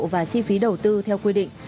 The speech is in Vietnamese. và chi phí đầu tư theo quy định